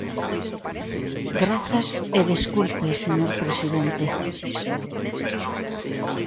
Grazas e desculpe, señor presidente.